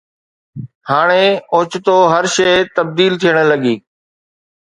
هاڻي اوچتو هر شيء تبديل ٿيڻ لڳي.